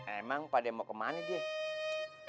emang pada mau kemana dia